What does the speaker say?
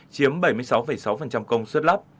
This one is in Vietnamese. chiếm bảy mươi sáu sáu công suất lắp